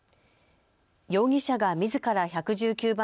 容疑者がみずから１１９番